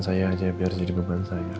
saya aja biar jadi beban saya